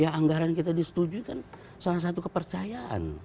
ya anggaran kita disetujui kan salah satu kepercayaan